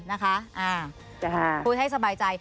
นะคะพูดให้สบายใจ